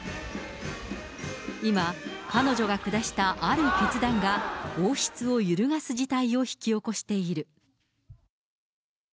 今、彼女が下したある決断が、王室を揺るがす事態を引き起こしている。